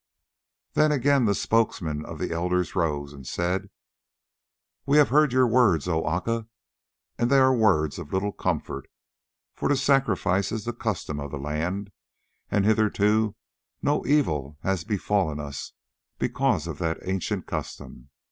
Then again the spokesman of the elders rose and said: "We have heard your words, O Aca, and they are words of little comfort, for to sacrifice is the custom of the land, and hitherto no evil has befallen us because of that ancient custom.